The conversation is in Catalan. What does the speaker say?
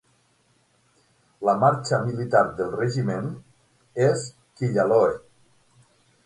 La marxa militar del regiment és Killaloe.